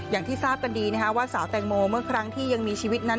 อย่างที่ทราบกันดีว่าสาวแตงโมเมื่อครั้งที่ยังมีชีวิตนั้น